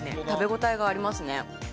食べ応えがありますね。